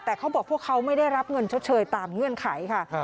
แต่เขาบอกพวกเขาไม่ได้รับเงินชดเชยตามเงื่อนไขค่ะ